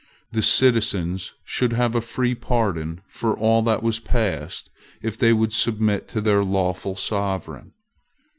The citizens should have a free pardon for all that was past if they would submit to their lawful Sovereign.